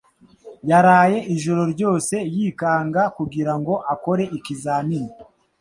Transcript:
Yaraye ijoro ryose yikanga kugira ngo akore ikizamini.